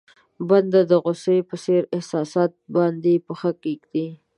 بنده د غوسې په څېر احساساتو باندې پښه کېږدي.